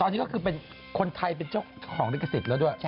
ตอนนี้ก็เป็นคนไทยมีจุดของดิเกษตรแล้วอ้าวได้เหรอ